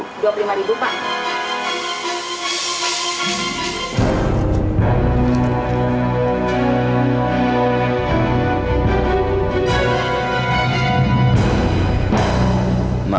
rp dua puluh lima ribu pak